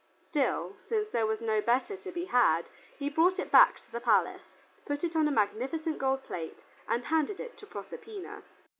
Still, since there was no better to be had, he brought it back to the palace, put it on a magnificent gold plate, and carried it to Proserpina.